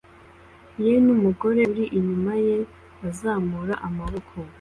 ye numugore uri inyuma ye azamura amaboko